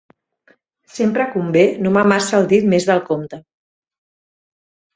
Sempre convé no mamar-se el dit més del compte.